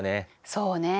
そうね。